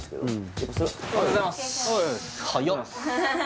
跳び方おはようございます